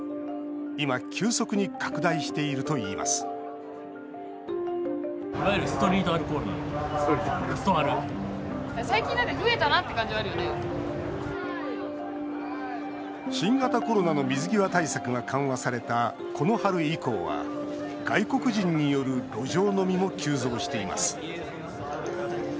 今、急速に拡大しているといいます新型コロナの水際対策が緩和されたこの春以降は外国人による路上飲みも急増しています。